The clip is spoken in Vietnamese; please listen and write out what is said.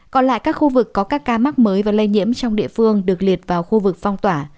còn lại các khu vực có các ca mắc mới và lây nhiễm trong địa phương được liệt vào khu vực phong tỏa